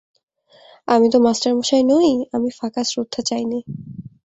অমি তো মাস্টারমশায় নই, আমি ফাঁকা শ্রদ্ধা চাই নে।